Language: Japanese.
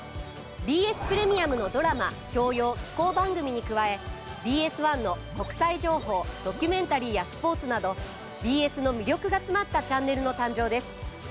ＢＳプレミアムのドラマ教養紀行番組に加えＢＳ１の国際情報ドキュメンタリーやスポーツなどＢＳの魅力が詰まったチャンネルの誕生です。